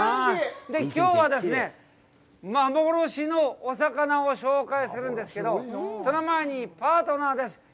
きょうはですね、幻のお魚を紹介するんですけど、その前に、パートナーです。